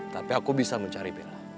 tapi aku bisa mencari bela